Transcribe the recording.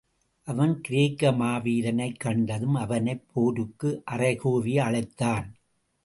அவன் கிரேக்க மாவீரனைக் கண்டதும், அவனைப் போருக்கு அறைகூவி அழைத்தான்.